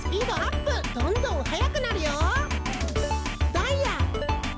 ダイヤ！